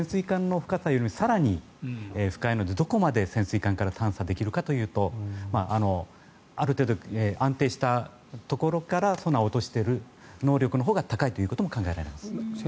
これは潜水艦の深さよりも更に深いのでどこまで潜水艦から探査できるかというとある程度安定したところからソナーを落としている能力のほうが高いということも考えられます。